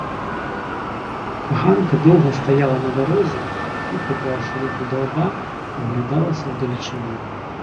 Ганка доўга стаяла на дарозе і, прыклаўшы руку да лба, углядалася ў далечыню.